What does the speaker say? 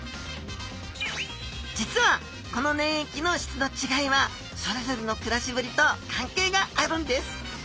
実はこの粘液の質の違いはそれぞれの暮らしぶりと関係があるんです。